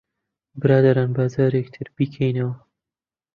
برادەران، با جارێکی تر بیکەینەوە.